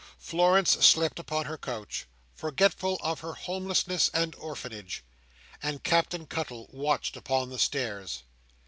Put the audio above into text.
Florence slept upon her couch, forgetful of her homelessness and orphanage, and Captain Cuttle watched upon the stairs.